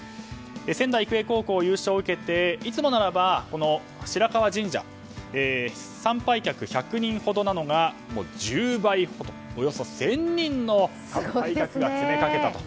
仙台育英高校の優勝を受けていつもならば、白河神社参拝客１００人ほどなのが１０倍ほどおよそ１０００人の参拝客が詰めかけたと。